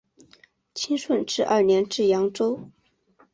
清顺治二年至扬州。